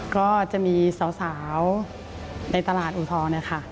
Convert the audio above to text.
ก็จะมีสาวในตลาดอูทองนะคะ